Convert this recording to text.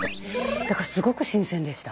だからすごく新鮮でした。